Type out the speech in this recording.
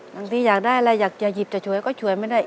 บางทีอยากได้อะไรอยากจะหยิบจะฉวยก็ช่วยไม่ได้